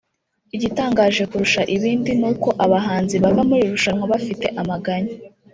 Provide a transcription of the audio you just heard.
Igitangaje kurusha ibindi ni uko abahanzi bava muri iri rushanwa bafite amaganya